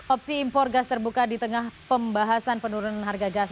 opsi impor gas terbuka di tengah pembahasan penurunan harga gas